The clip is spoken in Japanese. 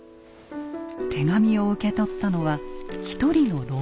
手紙を受け取ったのは一人の老僧。